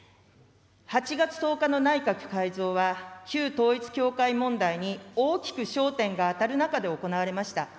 ８月１０日の内閣改造は、旧統一教会問題に大きく焦点が当たる中で行われました。